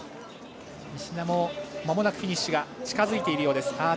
石田もまもなくフィニッシュが近づいているようです。